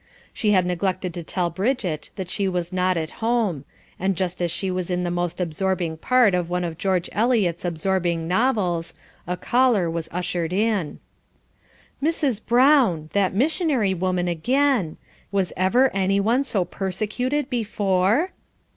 She had neglected to tell Bridget that she was not at home, and just as she was in the most absorbing part of one of George Eliot's absorbing novels, a caller was ushered in. "Mrs. Brown! that missionary woman again! Was ever anyone so persecuted before?"